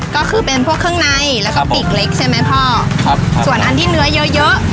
ก็คือเป็นพวกเครื่องในแล้วก็ปีกเล็กใช่ไหมพ่อครับส่วนอันที่เนื้อเยอะเยอะ